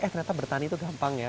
eh ternyata bertani itu gampang ya